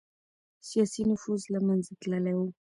سياسي نفوذ له منځه تللی و.